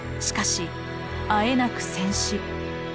しかしあえなく戦死。